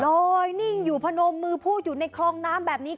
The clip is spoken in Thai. นิ่งอยู่พนมมือพูดอยู่ในคลองน้ำแบบนี้